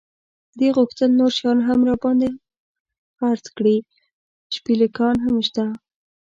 دې غوښتل نور شیان هم را باندې خرڅ کړي، شپلېکان هم شته.